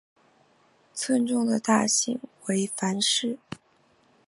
村中的大姓为樊氏。